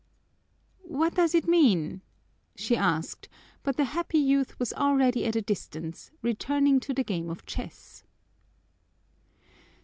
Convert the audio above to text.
"What does it mean?" she asked, but the happy youth was already at a distance, returning to the game of chess.